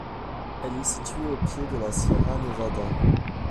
Elle est située aux pieds de la Sierra Nevada.